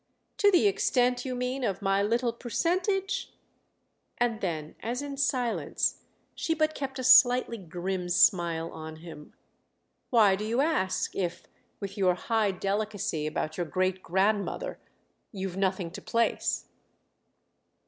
"To the extent, you mean, of my little percentage?" And then as in silence she but kept a slightly grim smile on him: "Why do you ask if—with your high delicacy about your great grandmother—you've nothing to place?"